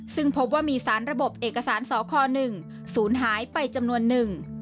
ซึ่งพบว่ามีสารระบบเอกสารสค๑ศูนย์หายไปจำนวนหนึ่ง